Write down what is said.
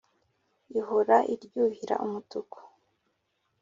ihora iryuhira umutuku